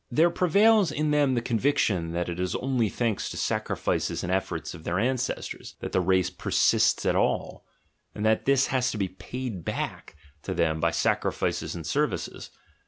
There prevails in them the conviction that it is only thanks to sacrifices and efforts of their ancestors, that the race persists at all — and that this has to be paid back to them by sacrifices and services.